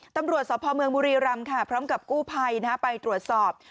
ตำรวจสพเมืองบุรีรำค่ะพร้อมกับกู้ภัยไปตรวจสอบ